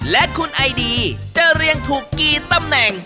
และคุณไอดีจะเรียงถูกกี่ตำแหน่ง